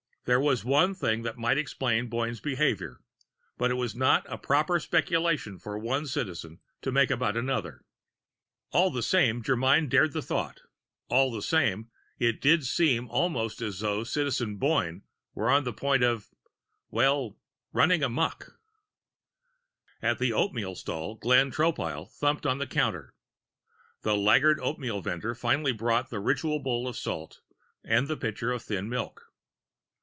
There was one thing that might explain Boyne's behavior. But it was not a proper speculation for one Citizen to make about another. All the same Germyn dared the thought all the same, it did seem almost as though Citizen Boyne were on the point of well, running amok. At the oatmeal stall, Glenn Tropile thumped on the counter. The laggard oatmeal vendor finally brought the ritual bowl of salt and the pitcher of thin milk.